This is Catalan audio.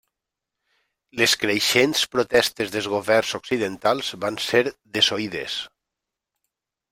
Les creixents protestes dels governs occidentals van ser desoïdes.